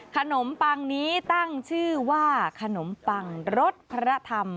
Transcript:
ขนมปังนี้ตั้งชื่อว่าขนมปังรสพระธรรม